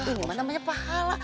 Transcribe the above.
ini mah namanya pahala